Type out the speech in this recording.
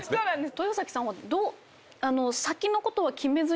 豊崎さんはどう。